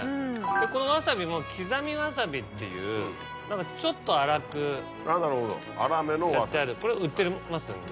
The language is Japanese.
このわさびも刻みわさびっていうちょっと粗くやってあるこれ売ってますんで。